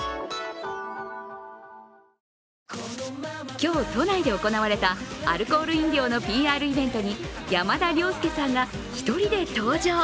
今日、都内で行われたアルコール飲料のＰＲイベントに山田涼介さんが１人で登場。